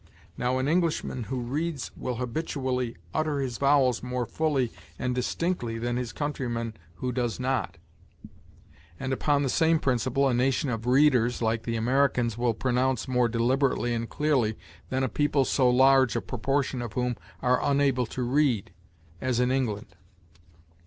Now, an Englishman who reads will habitually utter his vowels more fully and distinctly than his countryman who does not; and, upon the same principle, a nation of readers, like the Americans, will pronounce more deliberately and clearly than a people so large a proportion of whom are unable to read, as in England.